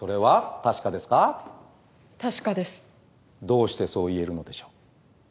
どうしてそう言えるのでしょう？